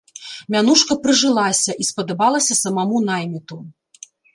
Мянушка прыжылася, і спадабалася самаму найміту.